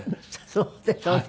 そうでしょうね。